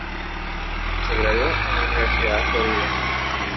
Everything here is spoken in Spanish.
Se graduó en la Universidad de Florida.